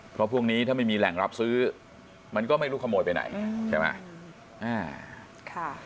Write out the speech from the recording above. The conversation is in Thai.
เพราะพวกนี้ถ้าไม่มีแหล่งรับซื้อมันก็ไม่รู้ขโมยไปไหนใช่ไหม